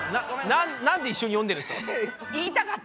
なんで一緒に読んでるんですか。